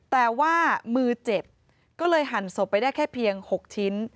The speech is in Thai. แต่ว่ามือเจ็บก็เลยหั่นศพไปได้แค่เพียง๖ชิ้น